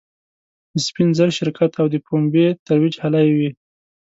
د سپین زر شرکت او د پومبې ترویج هلې وې.